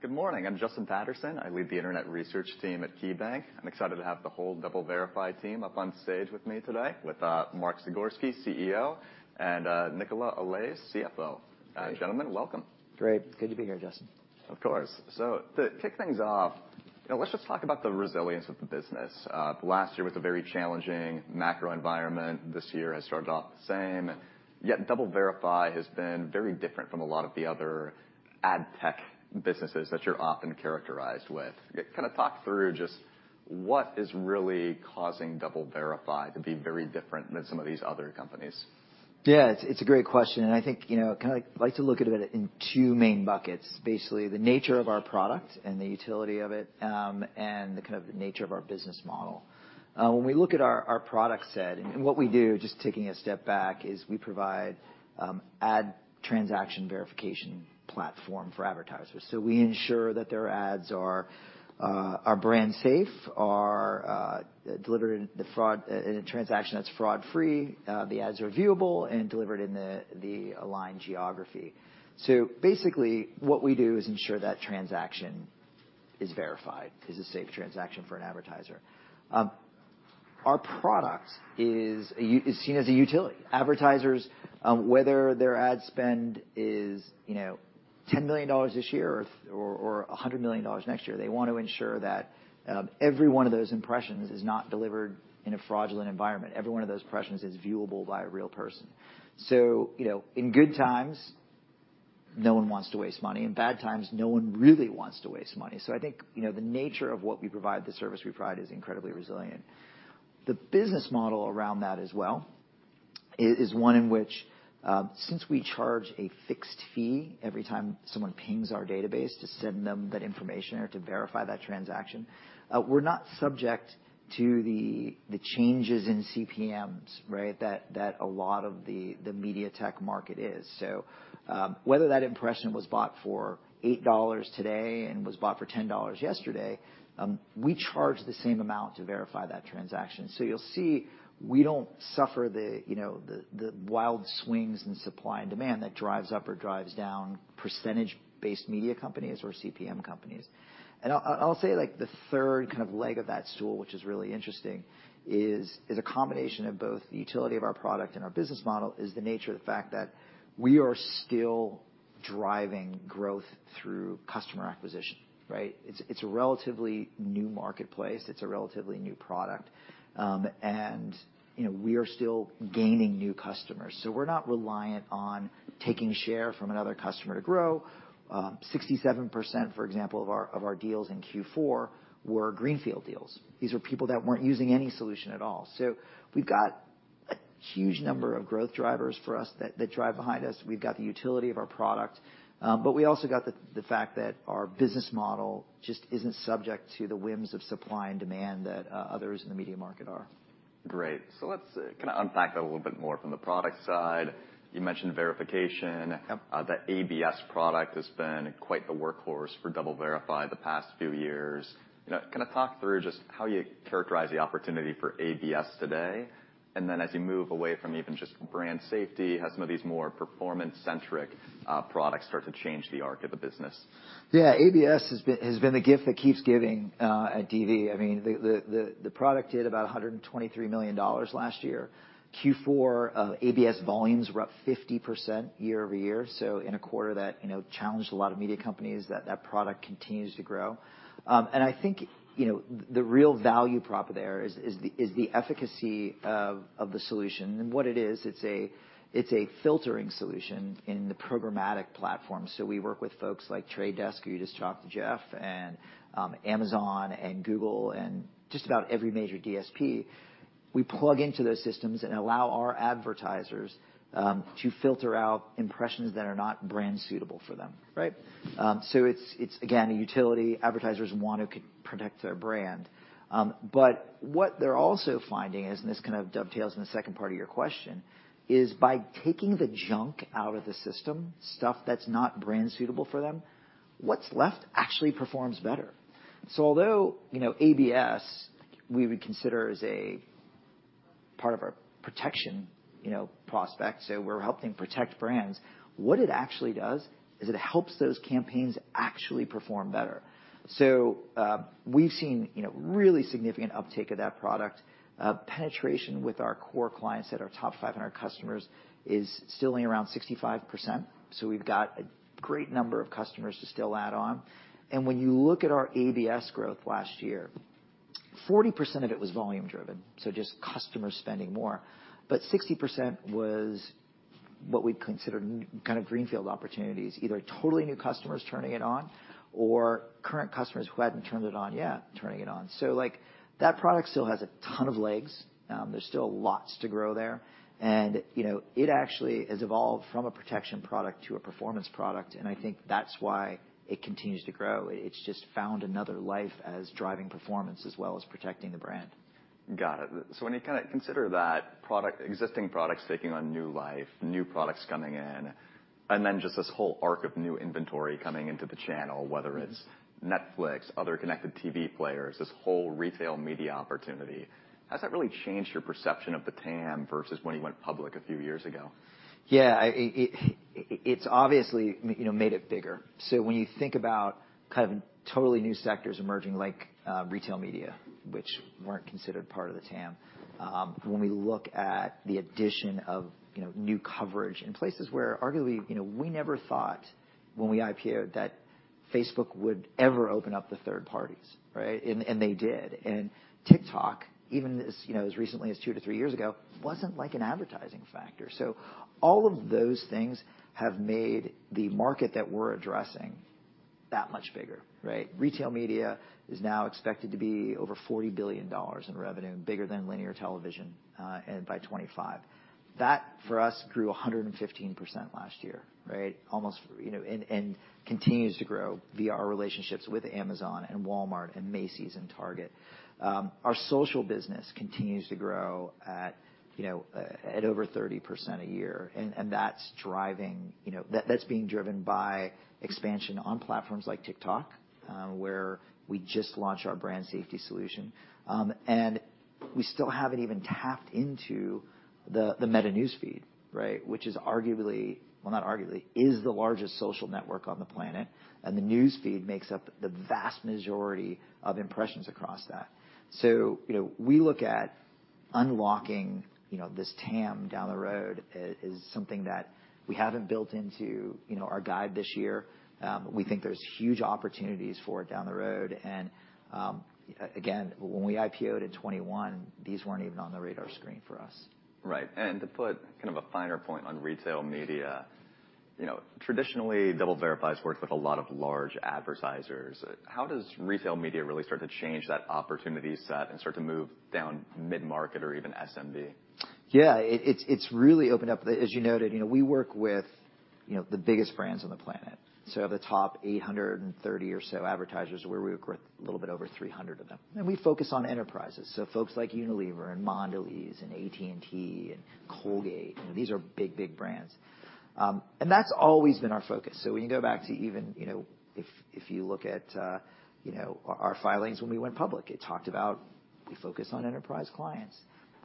Good morning. I'm Justin Patterson. I lead the internet research team at KeyBanc. I'm excited to have the whole DoubleVerify team up on stage with me today, with Mark Zagorski, CEO, and Nicola Allais, CFO. Gentlemen, welcome. Great. Good to be here, Justin. Of course. To kick things off, you know, let's just talk about the resilience of the business. The last year was a very challenging macro environment. This year has started off the same, yet DoubleVerify has been very different from a lot of the other ad tech businesses that you're often characterized with. Kind of talk through just what is really causing DoubleVerify to be very different than some of these other companies? It's a great question, and I think, you know, kind of like to look at it in two main buckets. Basically, the nature of our product and the utility of it, and the kind of the nature of our business model. When we look at our product set and what we do, just taking a step back, is we provide ad transaction verification platform for advertisers. We ensure that their ads are brand safe, are delivered in a transaction that's fraud free, the ads are viewable and delivered in the aligned geography. Basically, what we do is ensure that transaction is verified, is a safe transaction for an advertiser. Our product is seen as a utility. Advertisers, whether their ad spend is, you know, $10 million this year or $100 million next year, they want to ensure that every one of those impressions is not delivered in a fraudulent environment. Every one of those impressions is viewable by a real person. you know, in good times, no one wants to waste money. In bad times, no one really wants to waste money. I think, you know, the nature of what we provide, the service we provide is incredibly resilient. The business model around that as well is one in which, since we charge a fixed fee every time someone pings our database to send them that information or to verify that transaction, we're not subject to the changes in CPMs, right? That a lot of the media tech market is. Whether that impression was bought for $8 today and was bought for $10 yesterday, we charge the same amount to verify that transaction. You'll see, we don't suffer the, you know, the wild swings in supply and demand that drives up or drives down percentage-based media companies or CPM companies. I'll say, like, the third kind of leg of that stool, which is really interesting, is a combination of both the utility of our product and our business model, is the nature of the fact that we are still driving growth through customer acquisition, right? It's a relatively new marketplace. It's a relatively new product. And, you know, we are still gaining new customers. We're not reliant on taking share from another customer to grow. 67%, for example, of our deals in Q4 were greenfield deals. These were people that weren't using any solution at all. We've got a huge number of growth drivers for us that drive behind us. We've got the utility of our product, but we also got the fact that our business model just isn't subject to the whims of supply and demand that others in the media market are. Great. Let's kind of unpack that a little bit more from the product side. You mentioned verification. The ABS product has been quite the workhorse for DoubleVerify the past few years. You know, kind of talk through just how you characterize the opportunity for ABS today, as you move away from even just brand safety, how some of these more performance-centric products start to change the arc of the business. ABS has been the gift that keeps giving at DV. I mean, the product did about $123 million last year. Q4, ABS volumes were up 50% year-over-year. In a quarter that, you know, challenged a lot of media companies, that product continues to grow. I think, you know, the real value prop there is the efficacy of the solution. What it is, it's a filtering solution in the programmatic platform. We work with folks like The Trade Desk, you just talked to Jeff, and Amazon and Google and just about every major DSP. We plug into those systems and allow our advertisers to filter out impressions that are not brand suitable for them, right? It's again, a utility. Advertisers want to protect their brand. What they're also finding is, and this kind of dovetails in the second part of your question, is by taking the junk out of the system, stuff that's not brand suitable for them, what's left actually performs better. Although, you know, ABS, we would consider as a part of our protection, you know, prospect, so we're helping protect brands, what it actually does is it helps those campaigns actually perform better. We've seen, you know, really significant uptake of that product. Penetration with our core clients that are top 500 customers is still only around 65%, so we've got a great number of customers to still add on. When you look at our ABS growth last year, 40% of it was volume driven, so just customers spending more. 60% was what we'd consider kind of greenfield opportunities, either totally new customers turning it on or current customers who hadn't turned it on yet, turning it on. like, that product still has a ton of legs. There's still lots to grow there. You know, it actually has evolved from a protection product to a performance product, and I think that's why it continues to grow. It's just found another life as driving performance as well as protecting the brand. Got it. When you kind of consider that product, existing products taking on new life, new products coming in, and then just this whole arc of new inventory coming into the channel, whether it's Netflix, other connected TV players, this whole retail media opportunity, has that really changed your perception of the TAM versus when you went public a few years ago? It's obviously you know, made it bigger. When you think about kind of totally new sectors emerging like retail media, which weren't considered part of the TAM, when we look at the addition of, you know, new coverage in places where arguably, you know, we never thought when we IPO'd that Facebook would ever open up to third parties, right? They did. TikTok, even as, you know, as recently as two to three years ago, wasn't like an advertising factor. All of those things have made the market that we're addressing that much bigger, right? Retail media is now expected to be over $40 billion in revenue and bigger than linear television, and by 2025. That, for us, grew 115% last year, right? Almost, you know. Continues to grow via our relationships with Amazon and Walmart and Macy's and Target. Our social business continues to grow, you know, at over 30% a year, and that's driving. That's being driven by expansion on platforms like TikTok, where we just launched our brand safety solution. We still haven't even tapped into the Meta News Feed, right? Which is arguably, well, not arguably, is the largest social network on the planet, and the News Feed makes up the vast majority of impressions across that. You know, we look at unlocking, you know, this TAM down the road as something that we haven't built into, you know, our guide this year. We think there's huge opportunities for it down the road, again, when we IPO'd in 2021, these weren't even on the radar screen for us. Right. To put kind of a finer point on retail media, you know, traditionally, DoubleVerify's worked with a lot of large advertisers. How does retail media really start to change that opportunity set and start to move down mid-market or even SMB? Yeah. It's really opened up. As you noted, you know, we work with, you know, the biggest brands on the planet. The top 830 or so advertisers where we work with a little bit over 300 of them. We focus on enterprises, so folks like Unilever and Mondelēz and AT&T and Colgate. You know, these are big, big brands. That's always been our focus. When you go back to even, you know, if you look at, you know, our filings when we went public, it talked about we focus on enterprise clients.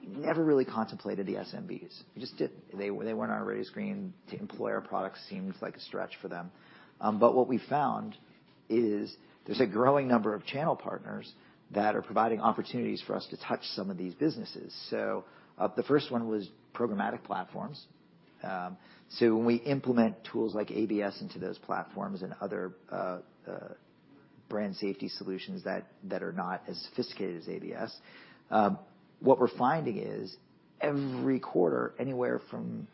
We never really contemplated the SMBs. We just didn't. They weren't on our radar screen. To employ our products seemed like a stretch for them. What we found is there's a growing number of channel partners that are providing opportunities for us to touch some of these businesses. The first one was programmatic platforms. When we implement tools like ABS into those platforms and other brand safety solutions that are not as sophisticated as ABS, what we're finding is every quarter, anywhere from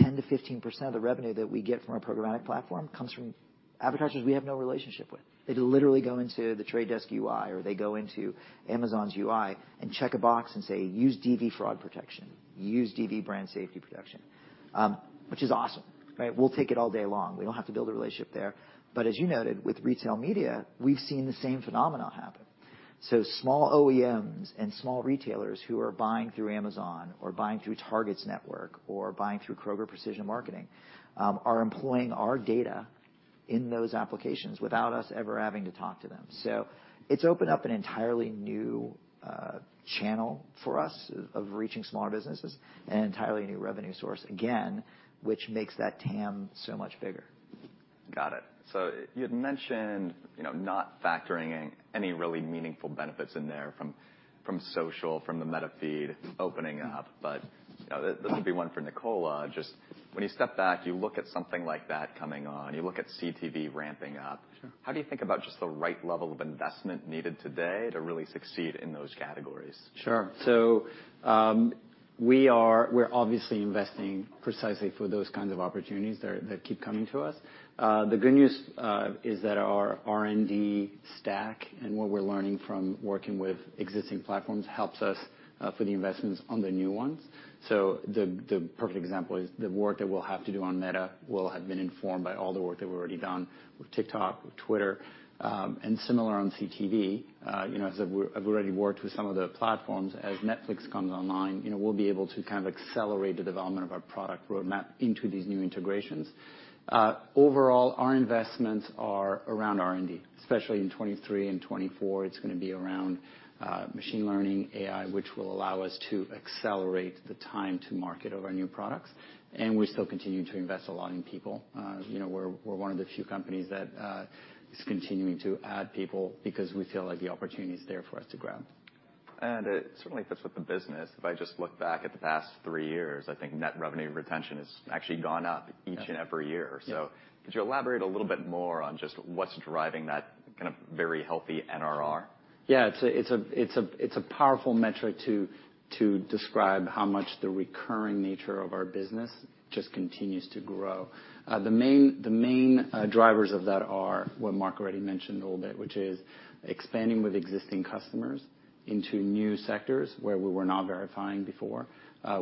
10%-15% of the revenue that we get from a programmatic platform comes from advertisers we have no relationship with. They literally go into The Trade Desk UI, or they go into Amazon's UI and check a box and say, "Use DV Fraud Protection. Use DV Brand Safety Protection." Which is awesome, right? We'll take it all day long. We don't have to build a relationship there. As you noted, with retail media, we've seen the same phenomenon happen. Small OEMs and small retailers who are buying through Amazon or buying through Target's network or buying through Kroger Precision Marketing, are employing our data in those applications without us ever having to talk to them. It's opened up an entirely new channel for us of reaching smaller businesses and an entirely new revenue source, again, which makes that TAM so much bigger. Got it. You'd mentioned, you know, not factoring any really meaningful benefits in there from social, from the Meta Feed opening up, but, you know, this will be one for Nicola. Just when you step back, you look at something like that coming on, you look at CTV ramping up. Sure. How do you think about just the right level of investment needed today to really succeed in those categories? Sure. We're obviously investing precisely for those kinds of opportunities that keep coming to us. The good news is that our R&D stack and what we're learning from working with existing platforms helps us for the investments on the new ones. The perfect example is the work that we'll have to do on Meta will have been informed by all the work that we've already done with TikTok, with Twitter and similar on CTV. You know, as I've already worked with some of the platforms. As Netflix comes online, you know, we'll be able to kind of accelerate the development of our product roadmap into these new integrations. Overall, our investments are around R&D, especially in 2023 and 2024, it's gonna be around machine learning, AI, which will allow us to accelerate the time to market of our new products. We still continue to invest a lot in people. You know, we're one of the few companies that is continuing to add people because we feel like the opportunity is there for us to grow. It certainly fits with the business. If I just look back at the past three years, I think net revenue retention has actually gone up each and every year. Yeah. Could you elaborate a little bit more on just what's driving that kind of very healthy NRR? It's a powerful metric to describe how much the recurring nature of our business just continues to grow. The main drivers of that are what Mark already mentioned a little bit, which is expanding with existing customers into new sectors where we were not verifying before.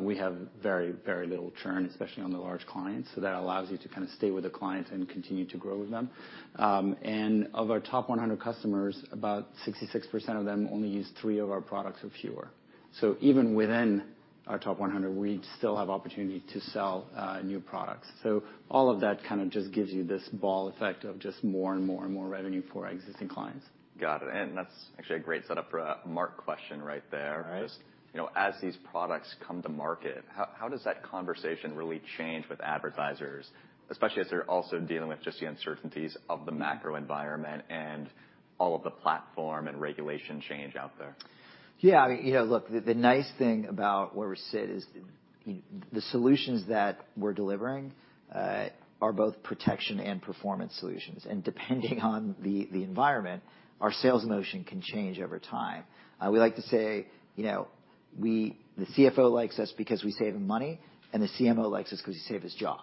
We have very little churn, especially on the large clients, so that allows you to kind of stay with the clients and continue to grow with them. Of our top 100 customers, about 66% of them only use three of our products or fewer. Even within our top 100, we still have opportunity to sell new products. All of that kind of just gives you this ball effect of just more and more and more revenue for our existing clients. Got it. That's actually a great setup for a Mark question right there. All right. Just, you know, as these products come to market, how does that conversation really change with advertisers, especially as they're also dealing with just the uncertainties of the macro environment and all of the platform and regulation change out there? Yeah. You know, look, the nice thing about where we sit is the solutions that we're delivering are both protection and performance solutions. Depending on the environment, our sales motion can change over time. We like to say, you know, the CFO likes us because we save him money, and the CMO likes us 'cause we save his job,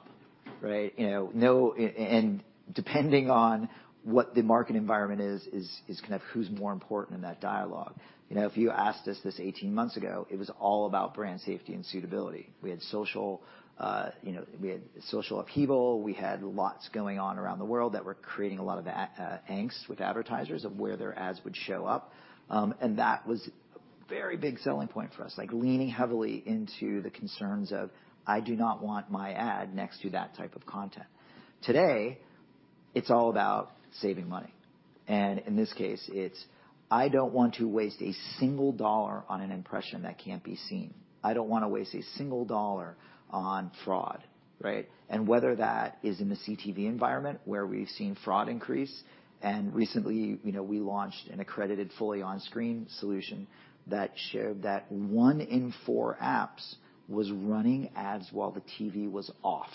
right? You know, depending on what the market environment is kind of who's more important in that dialogue. You know, if you asked us this 18 months ago, it was all about brand safety and suitability. We had social, you know, we had social upheaval, we had lots going on around the world that were creating a lot of angst with advertisers of where their ads would show up. That was a very big selling point for us, like leaning heavily into the concerns of, "I do not want my ad next to that type of content." Today, it's all about saving money, and in this case, it's, "I don't want to waste a single dollar on an impression that can't be seen. I don't wanna waste a single dollar on fraud," right? Whether that is in the CTV environment, where we've seen fraud increase, and recently, you know, we launched an accredited Fully On-Screen solution that showed that one in four apps was running ads while the TV was off.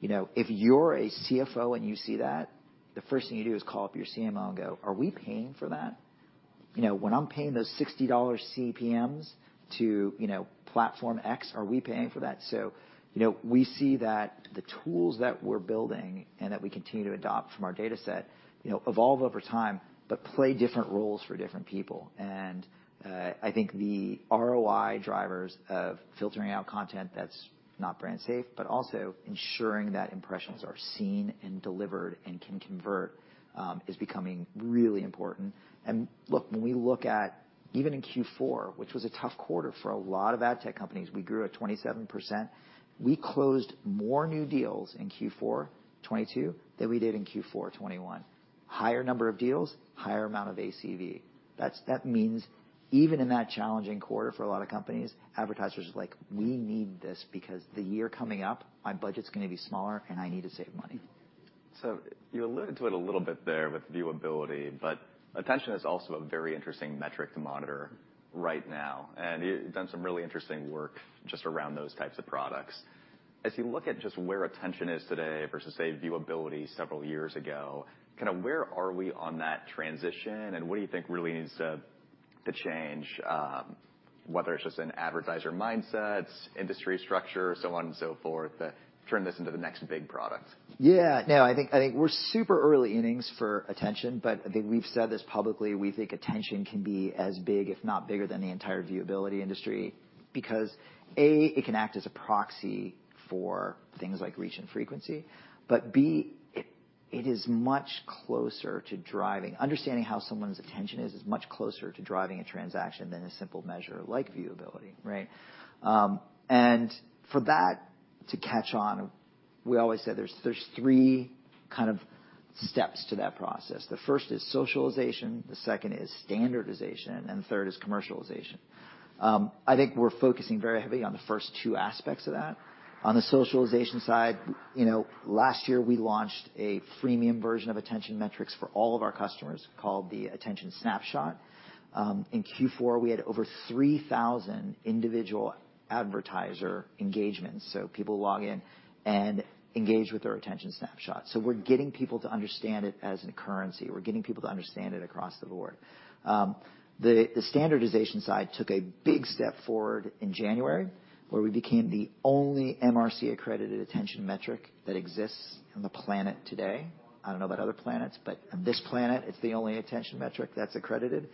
You know, if you're a CFO and you see that, the first thing you do is call up your CMO and go, "Are we paying for that? You know, when I'm paying those $60 CPMs to, you know, platform X, are we paying for that?" You know, we see that the tools that we're building and that we continue to adopt from our data set, you know, evolve over time, but play different roles for different people. I think the ROI drivers of filtering out content that's not brand safe, but also ensuring that impressions are seen and delivered and can convert, is becoming really important. Look, when we look at even in Q4, which was a tough quarter for a lot of ad tech companies, we grew at 27%. We closed more new deals in Q4 2022 than we did in Q4 2021. Higher number of deals, higher amount of ACV. That's, that means even in that challenging quarter for a lot of companies, advertisers are like, "We need this because the year coming up, my budget's gonna be smaller, and I need to save money." You alluded to it a little bit there with viewability, but attention is also a very interesting metric to monitor right now. You've done some really interesting work just around those types of products. As you look at just where attention is today versus, say, viewability several years ago, kind of where are we on that transition, and what do you think really needs to change, whether it's just in advertiser mindsets, industry structure, so on and so forth, to turn this into the next big product? I think we're super early innings for attention, but I think we've said this publicly, we think attention can be as big, if not bigger than the entire viewability industry. A, it can act as a proxy for things like reach and frequency. B, it is much closer to driving. Understanding how someone's attention is much closer to driving a transaction than a simple measure like viewability, right? For that to catch on, we always said there's three kind of steps to that process. The first is socialization, the second is standardization, and the third is commercialization. I think we're focusing very heavily on the first two aspects of that. On the socialization side, you know, last year, we launched a freemium version of attention metrics for all of our customers called the Attention Snapshot. In Q4, we had over 3,000 individual advertiser engagements, so people log in and engage with our Attention Snapshot. We're getting people to understand it as a currency. We're getting people to understand it across the board. The standardization side took a big step forward in January, where we became the only MRC-accredited attention metric that exists on the planet today. I don't know about other planets, but on this planet, it's the only attention metric that's accredited.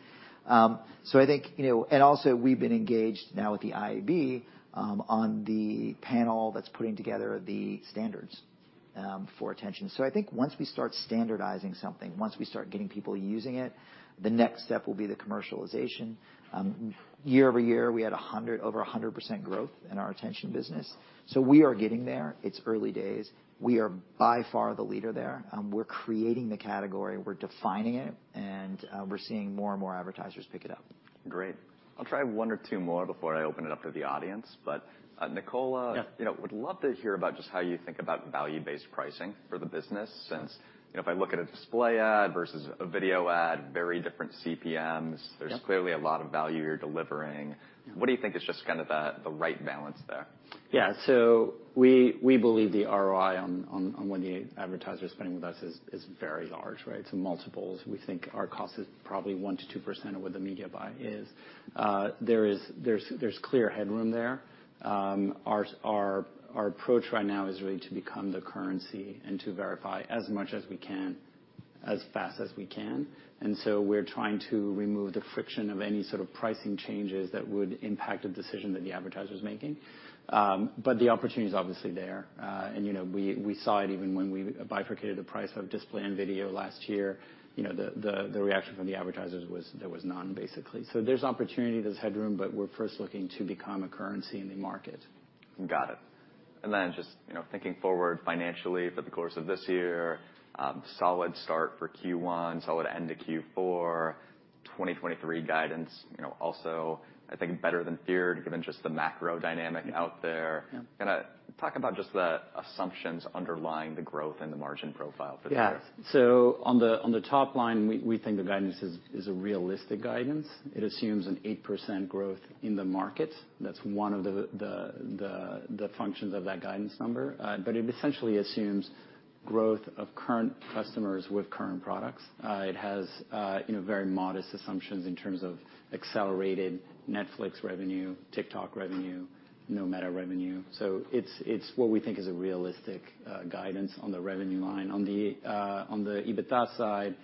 I think, you know, and also we've been engaged now with the IAB on the panel that's putting together the standards for attention. I think once we start standardizing something, once we start getting people using it, the next step will be the commercialization. year-over-year, we had 100%, over 100% growth in our attention business. We are getting there. It's early days. We are by far the leader there. We're creating the category, we're defining it, and we're seeing more and more advertisers pick it up. Great. I'll try one or two more before I open it up to the audience. Nicola. Yeah. You know, would love to hear about just how you think about value-based pricing for the business since, you know, if I look at a display ad versus a video ad, very different CPMs. Yeah. There's clearly a lot of value you're delivering. What do you think is just kind of the right balance there? We believe the ROI on what the advertisers spending with us is very large, right? It's multiples. We think our cost is probably 1%-2% of what the media buy is. There's clear headroom there. Our approach right now is really to become the currency and to verify as much as we can, as fast as we can. We're trying to remove the friction of any sort of pricing changes that would impact a decision that the advertiser's making. The opportunity is obviously there. You know, we saw it even when we bifurcated the price of display and video last year. You know, the reaction from the advertisers was there was none, basically. There's opportunity, there's headroom, but we're first looking to become a currency in the market. Got it. Just, you know, thinking forward financially for the course of this year, solid start for Q1, solid end to Q4. 2023 guidance, you know, also I think better than feared, given just the macro dynamic out there. Yeah. Kinda talk about just the assumptions underlying the growth and the margin profile for the year. On the top line, we think the guidance is a realistic guidance. It assumes an 8% growth in the market. That's one of the functions of that guidance number. It essentially assumes growth of current customers with current products. It has, you know, very modest assumptions in terms of accelerated Netflix revenue, TikTok revenue, no Meta revenue. It's what we think is a realistic guidance on the revenue line. On the EBITDA side,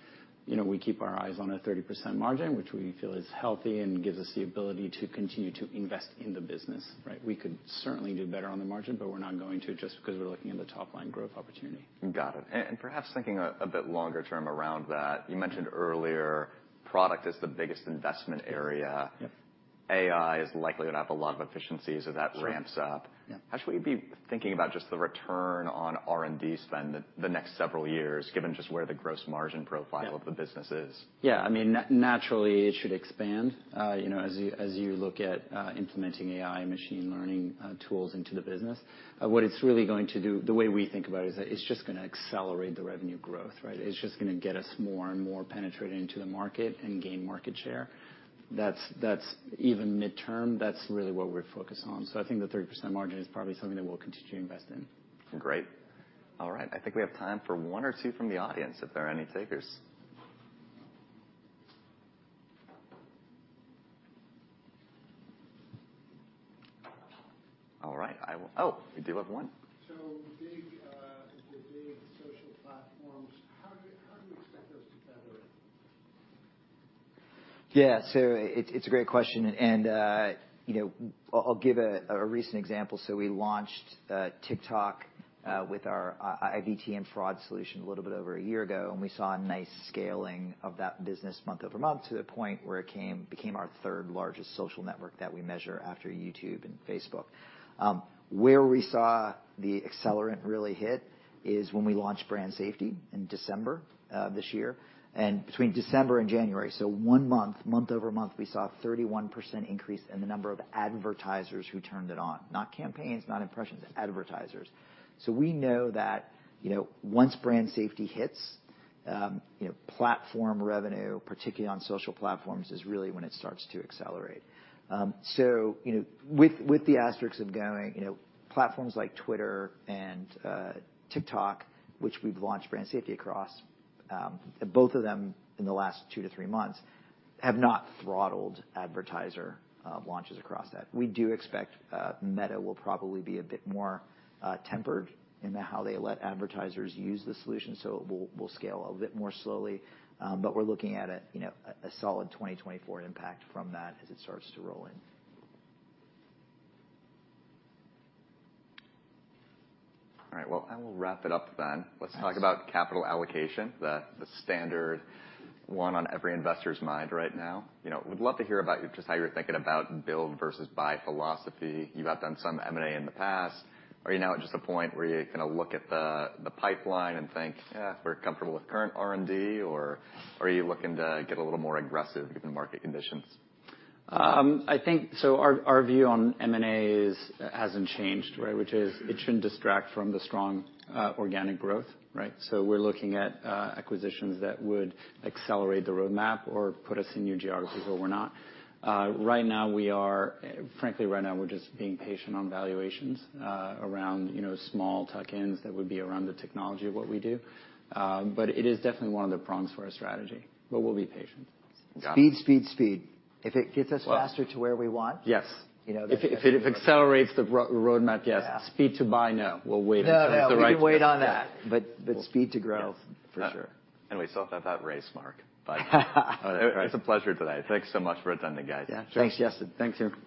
you know, we keep our eyes on a 30% margin, which we feel is healthy and gives us the ability to continue to invest in the business, right? We could certainly do better on the margin, but we're not going to just because we're looking at the top line growth opportunity. Got it. Perhaps thinking a bit longer term around that, you mentioned earlier product is the biggest investment area. Yeah. AI is likely gonna have a lot of efficiencies as that ramps up. Sure. Yeah. How should we be thinking about just the return on R&D spend the next several years given just where the gross margin profile- Yeah. of the business is? I mean, naturally it should expand. you know, as you look at implementing AI machine learning tools into the business. What it's really going to do. The way we think about it, is that it's just going to accelerate the revenue growth, right? It's just going to get us more and more penetrated into the market and gain market share. That's Even midterm, that's really what we're focused on. I think the 30% margin is probably something that we will continue to invest in. Great. All right. I think we have time for one or two from the audience, if there are any takers. All right. Oh, we do have one. The big social platforms, how do you expect those to gather it? Yeah. It's a great question, and, you know, I'll give a recent example. We launched TikTok with our IVT and fraud solution a little bit over a year ago, and we saw a nice scaling of that business month-over-month, to the point where it became our third largest social network that we measure after YouTube and Facebook. Where we saw the accelerant really hit is when we launched brand safety in December of this year, and between December and January. One month-over-month, we saw a 31% increase in the number of advertisers who turned it on. Not campaigns, not impressions, advertisers. We know that, you know, once brand safety hits, you know, platform revenue, particularly on social platforms, is really when it starts to accelerate. You know, with the asterisks of going, you know, platforms like Twitter and TikTok, which we've launched brand safety across, both of them in the last two to three months, have not throttled advertiser launches across that. We do expect Meta will probably be a bit more tempered in how they let advertisers use the solution, so we'll scale a bit more slowly. We're looking at a, you know, a solid 2024 impact from that as it starts to roll in. All right. Well, I will wrap it up then. Yes. Let's talk about capital allocation, the standard one on every investor's mind right now. You know, would love to hear about just how you're thinking about build versus buy philosophy. You have done some M&A in the past. Are you now at just a point where you kinda look at the pipeline and think, "Eh, we're comfortable with current R&D?" Or are you looking to get a little more aggressive given the market conditions? Our view on M&A is, hasn't changed, right? Which is it shouldn't distract from the strong organic growth, right? We're looking at acquisitions that would accelerate the roadmap or put us in new geographies where we're not. Frankly, right now we're just being patient on valuations around, you know, small tuck-ins that would be around the technology of what we do. It is definitely one of the prongs for our strategy. We'll be patient. Got it. Speed, speed. If it gets us faster to where we want- Yes. You know, If it accelerates the roadmap, yes. Yeah. Speed to buy, no. We'll wait until the right- No, no, we can wait on that. Speed to growth. Yeah. For sure. We still have that race Mark. It's a pleasure today. Thanks so much for attending, guys. Yeah. Thanks, Justin. Thanks, everyone.